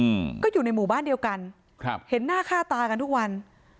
อืมก็อยู่ในหมู่บ้านเดียวกันครับเห็นหน้าค่าตากันทุกวัน